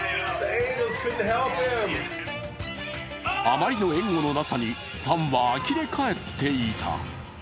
あまりの援護のなさにファンはあきれ返っていた。